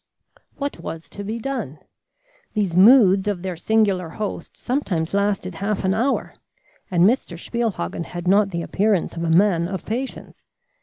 What was to be done? These moods of their singular host sometimes lasted half an hour, and Mr. Spielhagen had not the appearance of a man of patience.